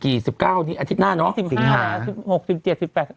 อีกกี่๑๙อาทิตย์หน้าน่ะ